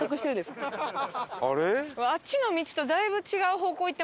あっちの道とだいぶ違う方向行ってますよ。